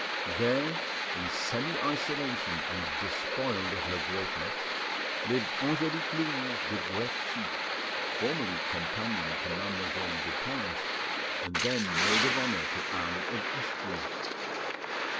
There in semi isolation and despoiled of her greatness lived Angelique Louise de Guerchi, formerly companion to Mademoiselle de Pons and then maid of honour to Anne of Austria.